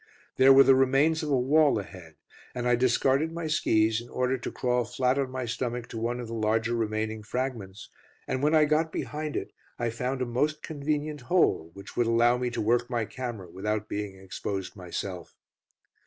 There were the remains of a wall ahead, and I discarded my skis in order to crawl flat on my stomach to one of the larger remaining fragments, and when I got behind it I found a most convenient hole, which would allow me to work my camera without being exposed myself.